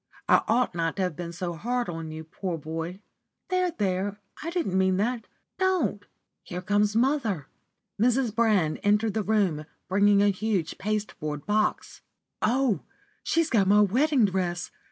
I ought not to have been so hard on you, poor boy. There! there! I didn't mean that. Don't! Here comes mother." Mrs. Brand entered the room, bringing a huge pasteboard box. "Oh, she's got my wedding dress!